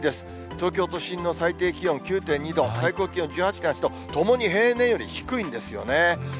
東京都心の最低気温９．２度、最高気温１８．８度、ともに平年より低いんですよね。